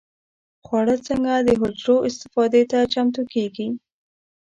خواړه څنګه د حجرو استفادې ته چمتو کېږي؟